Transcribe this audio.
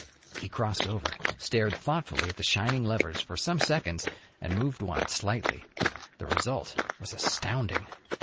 He crossed over, stared thoughtfully at the shining levers for some seconds, and moved one slightly. The result was astounding.